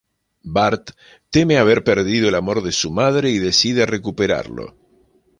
Bart teme haber perdido el amor de su madre, y decide recuperarlo.